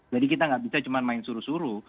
jadi kita nggak bisa cuma main suru suru